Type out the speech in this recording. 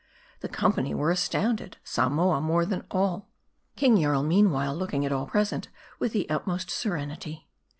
The company were astounded : Samoa more than all. King Jarl, meanwhile, looking at all present with the utmost serenity.